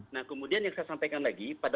nah kemudian yang saya sampaikan lagi pada